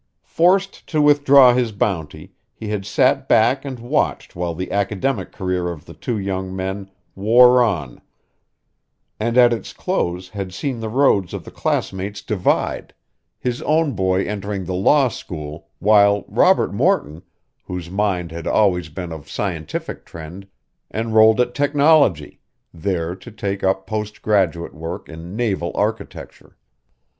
Forced to withdraw his bounty, he had sat back and watched while the academic career of the two young men wore on and at its close had seen the roads of the classmates divide, his own boy entering the law school, while Robert Morton, whose mind had always been of scientific trend, enrolled at Technology, there to take up post graduate work in naval architecture.